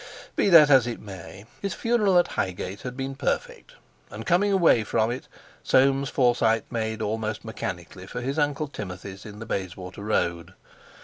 Be that as it may, his funeral at Highgate had been perfect, and coming away from it Soames Forsyte made almost mechanically for his Uncle Timothy's in the Bayswater Road.